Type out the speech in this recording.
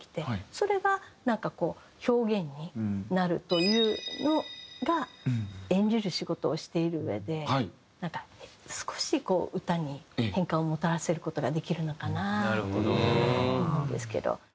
それがなんかこう表現になるというのが演じる仕事をしているうえでなんか少しこう歌に変化をもたらせる事ができるのかなと思うんですけど。